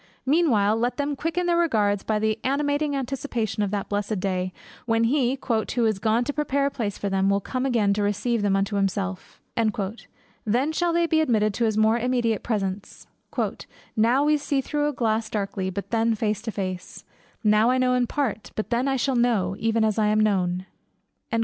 Meanwhile let them quicken their regards by the animating anticipation of that blessed day, when he "who is gone to prepare a place for them, will come again to receive them unto himself." Then shall they be admitted to his more immediate presence: "Now we see through a glass darkly; but then face to face: now I know in part; but then shall I know, even as I am known."